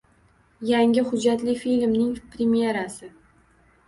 Yangi hujjatli filmning premerasi